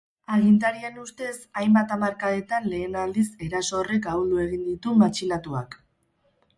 Agintarien ustez, hainbat hamarkadetan lehen aldiz eraso horrek ahuldu egin ditu matxinatuak.